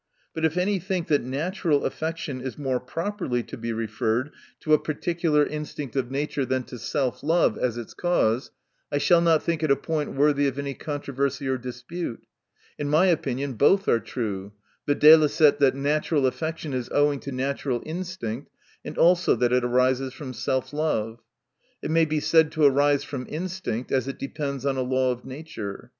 But if any think, that natural affection is more properly to be referrc 1 to a particular instinct of nature, than to self love, as its cause, I shall not think it a point worthy of any controversy or dispute. In my opinion, both are true, viz., that natural affection is owing to natural instinct, and also that it arises from self love. It may be said to arise from instinct, as it depends on a law of nature.